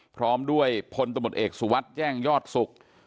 พร้อมด้วยพลตะหมดเอกสุวัสดิ์แย่งยอดสุข